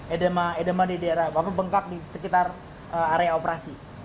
edema di daerah wapun bengkak di sekitar area operasi